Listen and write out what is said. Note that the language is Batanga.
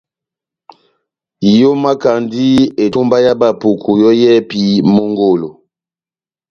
Ihomakandi etomba ya Bapuku yɔ́ yɛ́hɛ́pi mongolo.